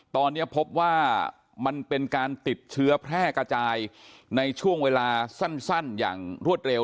ตอนนี้พบว่ามันเป็นการติดเชื้อแพร่กระจายในช่วงเวลาสั้นอย่างรวดเร็ว